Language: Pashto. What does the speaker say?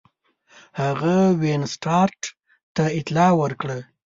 هغه وینسیټارټ ته اطلاع ورکړه.